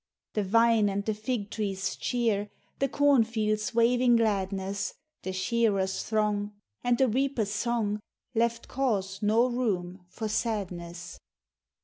The vine and the fig tree's cheer; The cornfields waving gladness, The shearer's throng, And the reaper's song Left cause nor room for sadness.